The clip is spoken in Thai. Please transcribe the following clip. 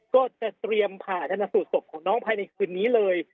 ก็จะเตรียมผ่าชนสูตรศพของน้องภายในคืนนี้เลย